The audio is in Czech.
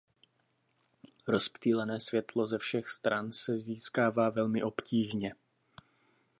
Rozptýlené světlo ze všech stran se získává velmi obtížně.